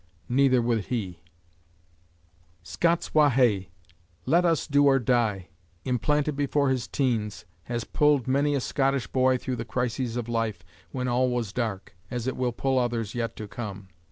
Neither would he. "Scots wa hae," "Let us do or die," implanted before his teens, has pulled many a Scottish boy through the crises of life when all was dark, as it will pull others yet to come.